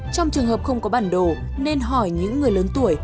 trong trường hợp không có bản đồ nên hỏi những người lớn tuổi